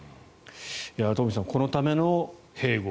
トンフィさんこのための併合